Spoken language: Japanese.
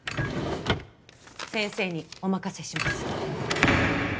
先生にお任せします。